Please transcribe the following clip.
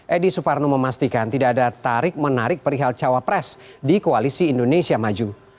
edi suparno memastikan tidak ada tarik menarik perihal cawapres di koalisi indonesia maju